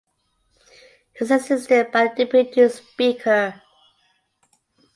He is assisted by the Deputy Speaker.